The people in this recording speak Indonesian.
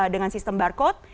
dengan sistem barcode